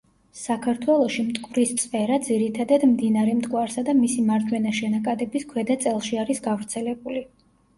საქართველოში მტკვრის წვერა ძირითადად მდინარე მტკვარსა და მისი მარჯვენა შენაკადების ქვედა წელში არის გავრცელებული.